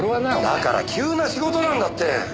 だから急な仕事なんだって！